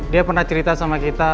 dia pernah cerita sama kita